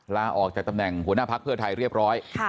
ลาออกจากตำแหน่งหัวหน้าพักเพื่อไทยเรียบร้อย